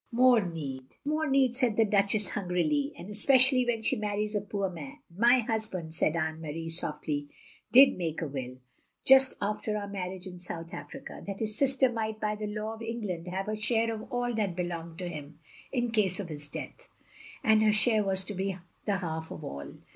" "More need, more need," said the Duchess htmgrily, "and especially when she marries a poor man." "My husband, " said Anne Marie, softly, "did make a will, just after our marriage in South Africa ; that his sister might by the law of Eng land have her share of all that belonged to him, in case of his death. And her share was to be the half of all.